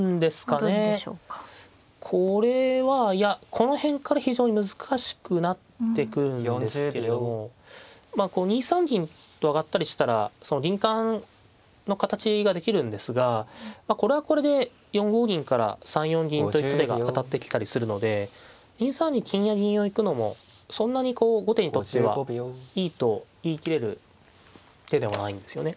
これはいやこの辺から非常に難しくなってくるんですけれどもまあこう２三銀と上がったりしたら銀冠の形ができるんですがこれはこれで４五銀から３四銀といった手が当たってきたりするので２三に金や銀が行くのもそんなに後手にとってはいいと言い切れる手ではないんですよね。